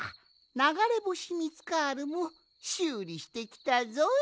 ナガレボシミツカールもしゅうりしてきたぞい！